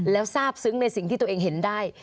แล้วทราบซึ้งในสิ่งที่ตัวเองเห็นได้